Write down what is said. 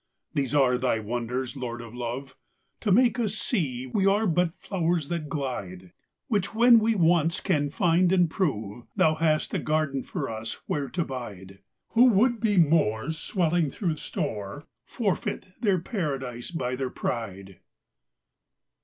These are thy wonders, Lord of love, To make us see we are but flowers that glide; Which when we once can finde and prove, Thou hast a garden for us where to bide. Who would be more, Swelling through store, Forfeit their paradise by their pride.